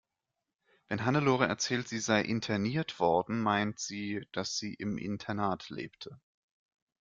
Wenn Hannelore erzählt, sie sei interniert worden, meint sie, dass sie im Internat lebte.